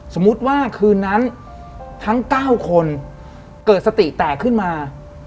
สมมุติว่าคืนนั้นทั้ง๙คนเกิดสติแตกขึ้นมา